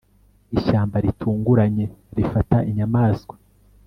Ishyamba ritunguranye rifata inyamaswa